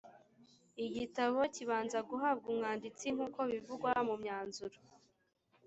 igitabo kibanza guhabwa umwanditsi nk’uko bivugwa mu myanzuro